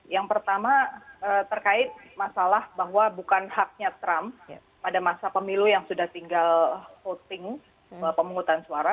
yang pertama terkait masalah bahwa bukan haknya trump pada masa pemilu yang sudah tinggal voting pemungutan suara